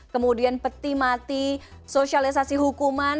kemudian peti mati sosialisasi hukuman